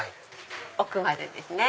奥までですね。